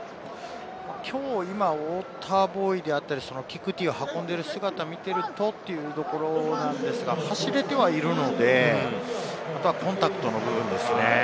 今、ウォーターボーイであったり、キックティーを運んでいる姿を見ていると、走れてはいるので、あとはコンタクトの部分ですよね。